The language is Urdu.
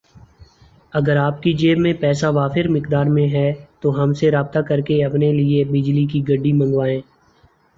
اگر آپ کی جیب میں پیسہ وافر مقدار میں ھے تو ہم سے رابطہ کرکے اپنی لئے بجلی کی گڈی منگوائیں